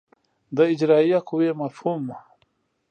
د اجرایه قوې مفهوم